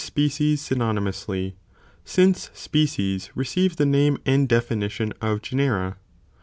species synonymously, since species receive the name and definition, of genera.